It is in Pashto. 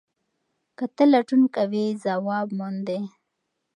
که ته لټون کوې ځواب موندې.